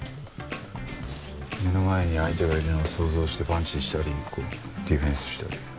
目の前に相手がいるのを想像してパンチしたりこうディフェンスしたり。